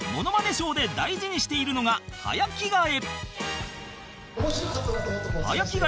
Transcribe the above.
ショーで大事にしているのが早着替え